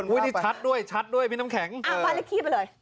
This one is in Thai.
นี่ชัดด้วยชัดด้วยพี่น้ำแข็งอ่าบ้านเลขที่ไปเลย